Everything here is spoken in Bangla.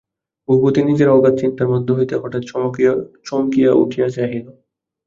ভূপতি নিজের অগাধ চিন্তার মধ্যে হইতে হঠাৎ চমকিয়া উঠিয়া চাহিল।